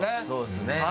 そうですね。